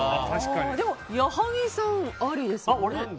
矢作さん、ありですね。